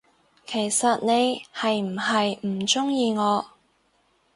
其實你係唔係唔鍾意我，？